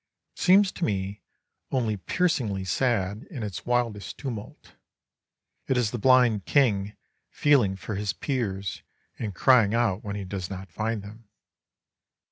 It seems to me only piercingly sad in its wildest tumult. It is the blind king feeling for his peers and crying out when he does not find them.